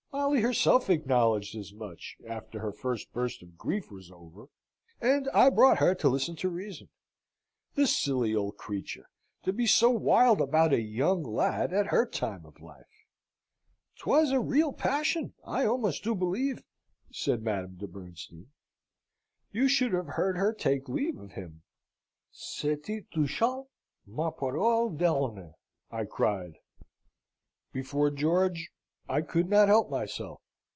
Molly herself acknowledged as much, after her first burst of grief was over, and I brought her to listen to reason. The silly old creature! to be so wild about a young lad at her time of life!" "'Twas a real passion, I almost do believe," said Madame de Bernstein. "You should have heard her take leave of him. C'etait touchant, ma parole d'honneur! I cried. Before George, I could not help myself.